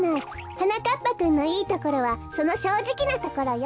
はなかっぱくんのいいところはそのしょうじきなところよ。